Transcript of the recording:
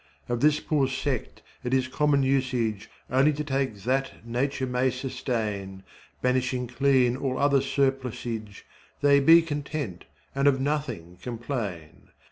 22 Of this poor sect it is common usage, Only to take that23 nature may sustain, Banishing clean all other surplusage They be content and of nothing complain.